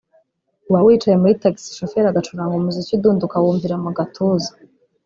uba wicaye muri tagisi shoferi agacuranga umuziki udunda ukawumvira mu gatuza